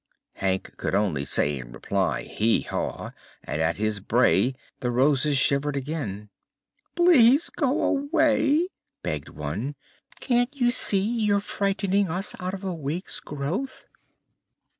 Hank could only say in reply: "Hee haw!" and at his bray the Roses shivered again. "Please go away!" begged one. "Can't you see you're frightening us out of a week's growth?"